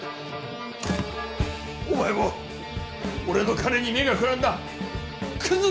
お前も俺の金に目がくらんだクズの一人だったのか！